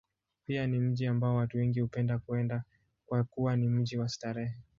Pia ni mji ambao watu wengi hupenda kwenda, kwa kuwa ni mji wa starehe.